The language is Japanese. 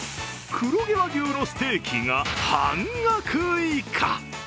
黒毛和牛のステーキが半額以下。